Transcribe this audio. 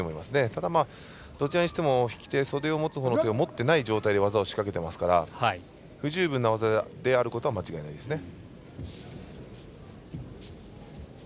ただ、どちらにしても引き手袖を持つほうの手を持ってない状態で技をしかけてますから不十分な技であることは間違いないですね。